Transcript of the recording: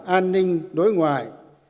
an ninh đối ngoại